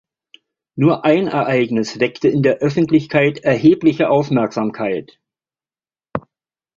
Nur ein Ereignis weckte in der Öffentlichkeit erhebliche Aufmerksamkeit.